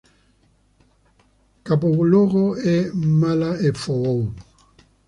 Capoluogo è Mala'efo'ou.